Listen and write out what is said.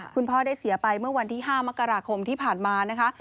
คุณพ่อได้เสียไปเมื่อวันที่๕มกราคมที่ผ่านมานะคะ